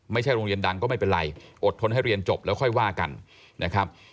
ไม่ใช่โรงเรียนดังก็ไม่เป็นไรอดทนให้เรียนจบแล้วค่อยว่ากันนะครับ